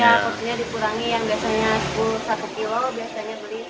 iya porsinya dikurangi yang biasanya satu kilo biasanya beli sekarang kurang aja